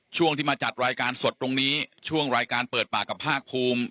ช่วงที่มาจัดรายการสดตรงนี้ช่วงรายการเปิดปากกับภาคภูมิ